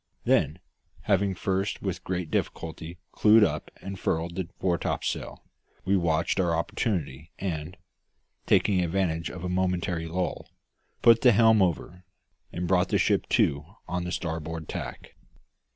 Then, having first with great difficulty clewed up and furled the fore topsail, we watched our opportunity and, taking advantage of a momentary lull, put the helm over, and brought the ship to on the starboard tack.